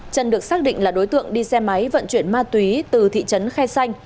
trân được xác định là đối tượng đi xe máy vận chuyển ma túy từ thị trấn khai xanh